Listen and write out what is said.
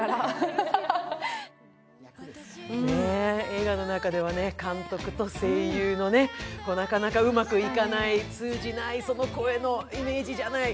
映画の中では監督と声優のなかなかうまくいかない、通じないその声のイメージじゃない。